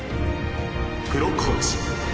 プロコーチ。